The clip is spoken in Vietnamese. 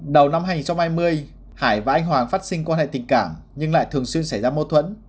đầu năm hai nghìn hai mươi hải và anh hoàng phát sinh quan hệ tình cảm nhưng lại thường xuyên xảy ra mâu thuẫn